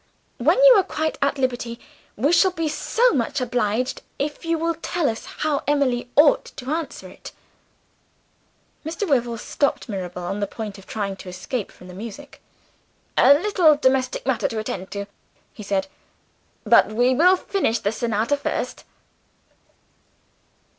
When you are quite at liberty, we shall be so much obliged if you will tell us how Emily ought to answer it." Mr. Wyvil stopped Mirabel, on the point of trying to escape from the music. "A little domestic matter to attend to," he said. "But we will finish the sonata first."